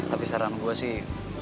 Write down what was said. tapi saran gue sih